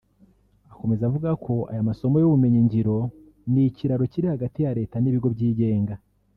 Akomeza avuga ko aya masomo y’ubumenyi ngiro ni ikiraro kiri hagati ya leta n’ibigo byigenga